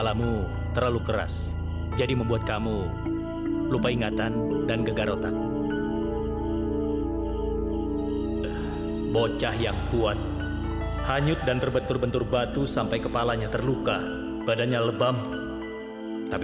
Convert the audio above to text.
sampai jumpa di video selanjutnya